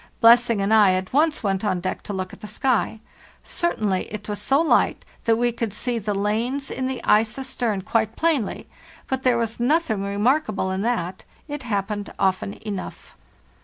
Blessing and I at once went on deck to look at the sky. Certainly it was so light that we could see the lanes in the ice astern quite plainly; but there was nothing remarkable in that, it happened often enough.